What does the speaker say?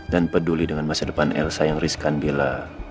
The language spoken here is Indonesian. dan peduli dengan masa depan elsa yang risikan bila